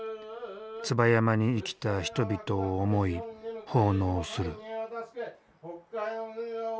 椿山に生きた人々を思い奉納する。